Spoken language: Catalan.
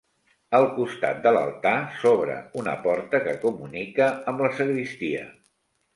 Al costat de l'altar s'obre una porta que comunica amb la sagristia.